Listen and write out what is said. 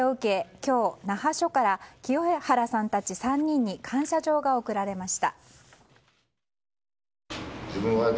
今日、那覇署から清原さんたち３人に感謝状が贈られました。